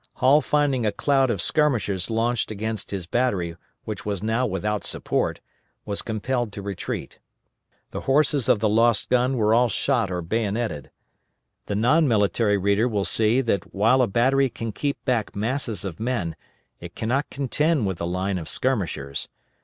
Hall finding a cloud of skirmishers launched against his battery which was now without support, was compelled to retreat. The horses of the lost gun were all shot or bayonetted. The non military reader will see that while a battery can keep back masses of men it cannot contend with a line of skirmishers.